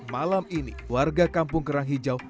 malam ini warga kampung kerang hijau